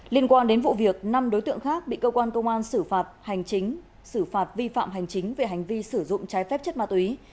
liên quan đến vụ việc năm đối tượng khác bị cơ quan công an sử phạt vi phạm hành chính về hành vi sử dụng trái phép chất ma túy